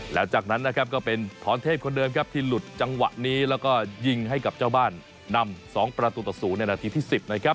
แล้วจากนั้นนะครับก็เป็นพรเทพคนเดิมครับที่หลุดจังหวะนี้แล้วก็ยิงให้กับเจ้าบ้านนำ๒ประตูต่อ๐ในนาทีที่๑๐นะครับ